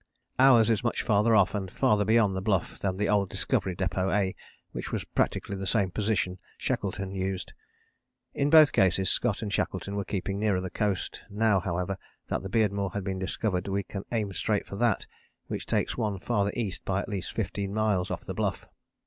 Ours is much farther off and farther beyond the Bluff than the old Discovery Depôt A, which was practically the same position Shackleton used. In both cases, Scott and Shackleton were keeping nearer the coast; now, however, that the Beardmore has been discovered we can aim straight for that, which takes one farther east by at least 15 miles off the Bluff.